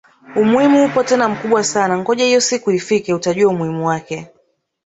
Umuhimu upo tena mkubwa sana ngoja hiyo siku ifike utajua umuhimu wake